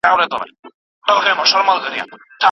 زه حروف لیکم.